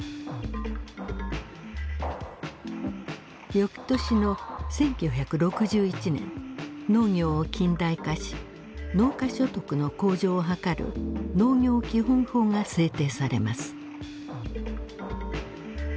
翌年の１９６１年農業を近代化し農家所得の向上を図る農業基本法が制定されます。